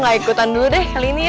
gak ikutan dulu deh kali ini ya